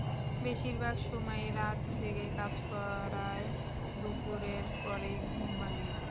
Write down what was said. বেশির ভাগ সময়ই রাত জেগে কাজ করায় দুপুরের পরই ঘুম ভাঙে।